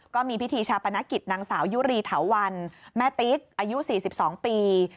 ก็มีพิธีชาปนกิจนางสาวยุรีเถาวันแม่ติ๊กอายุ๔๒ปี